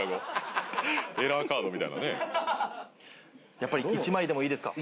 やっぱり１枚でもいいですか？